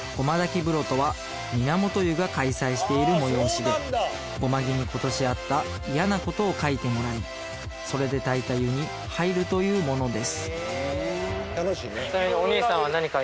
風呂とは源湯が開催している催しで護摩木に今年あった嫌なことを書いてもらいそれで焚いた湯に入るというものです